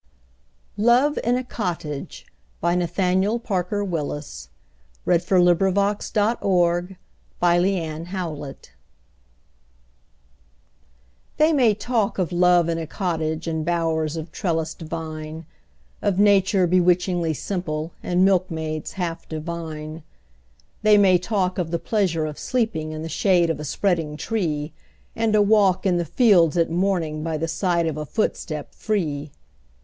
et Him Have praises for the well completed year. Nathaniel Parker Willis Love in a Cottage THEY may talk of love in a cottage And bowers of trellised vine Of nature bewitchingly simple, And milkmaids half divine; They may talk of the pleasure of sleeping In the shade of a spreading tree, And a walk in the fields at morning, By the side of a footstep free!